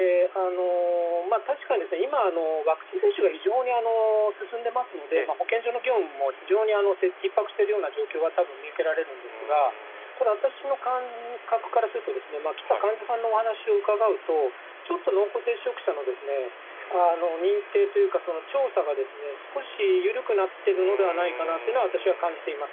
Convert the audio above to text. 確かに今、ワクチン接種が非常に進んでますので、保健所の業務も非常にひっ迫しているような状況はたぶん見受けられるんですが、ただ、私の感覚からするとですね、来た患者さんのお話を伺うとちょっと濃厚接触者の認定というか、調査がですね、少し緩くなっているのではないかなというのは私は感じています。